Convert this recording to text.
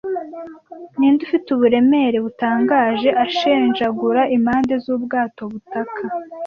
Ninde ufite uburemere butangaje ashenjagura impande zubwato butaka;